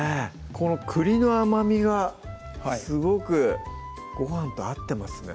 この栗の甘みがすごくごはんと合ってますね